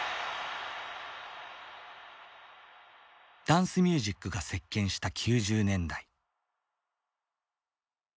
ダンスミュージックが席けんした９０年代。